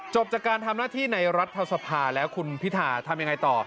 จากการทำหน้าที่ในรัฐสภาแล้วคุณพิธาทำยังไงต่อ